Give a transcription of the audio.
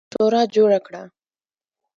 شورا جوړه کړه.